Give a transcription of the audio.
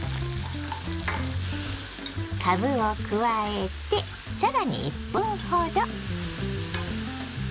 かぶを加えて更に１分ほど。